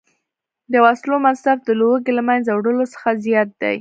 د وسلو مصرف د لوږې له منځه وړلو څخه زیات دی